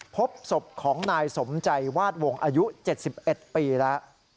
พบศพของนายสมใจวาดวงอายุ๗๑ปีแล้ว